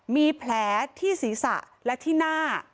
มีแผลที่ศีรษะและที่หน้า